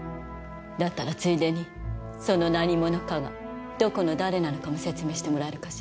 だったらついでにその何者かがどこの誰なのかも説明してもらえるかしら。